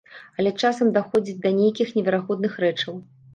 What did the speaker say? Але часам даходзіць да нейкіх неверагодных рэчаў.